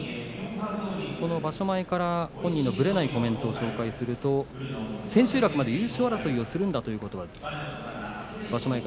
その場所前から本人のぶれないコメントを紹介すると千秋楽まで優勝争いをするんだということを場所